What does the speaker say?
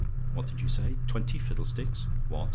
What did you say? "TWENTY FIDDLESTICKS? "What?